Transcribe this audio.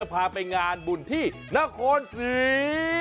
พาไปงานบุญที่นครศรี